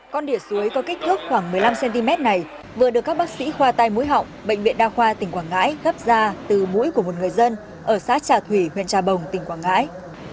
con đệ suối có kích thước khoảng một mươi năm cm này vừa được các bác sĩ khoa tai mũi họng bệnh viện đa khoa tỉnh quảng ngãi gấp ra từ mũi của một người dân ở xã trà thủy huyện trà bồng tỉnh quảng ngãi